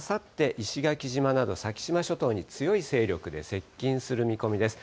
あすからあさって、石垣島など、先島諸島に強い勢力で接近する見込みです。